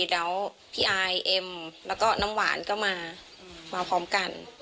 แล้วพี่อายเอ็มแล้วก็น้ำหวานก็มามาพร้อมกัน